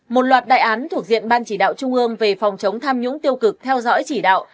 một loạt đại án thuộc diện ban chỉ đạo trung ương về phòng chống tham nhũng tiêu cực theo dõi chỉ đạo